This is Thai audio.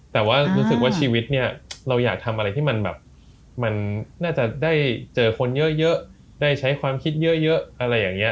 แต่ว่ารู้สึกว่าชีวิตเนี่ยเราอยากทำอะไรที่มันแบบมันน่าจะได้เจอคนเยอะได้ใช้ความคิดเยอะอะไรอย่างนี้